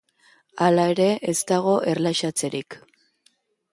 Hala ere, ez dago erlaxatzerik.